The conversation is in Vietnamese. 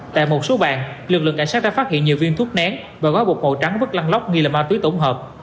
tại một số bàn lực lượng cảnh sát đã phát hiện nhiều viên thuốc nén và gói bột màu trắng rất lăng lóc nghi là ma túy tổng hợp